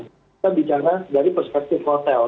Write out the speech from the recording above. kita bicara dari perspektif hotel